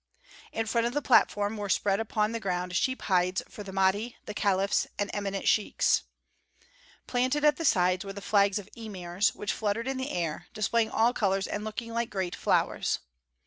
In front of the platform were spread upon the ground sheep hides for the Mahdi, the caliphs, and eminent sheiks. Planted at the sides were the flags of emirs, which fluttered in the air, displaying all colors and looking like great flowers.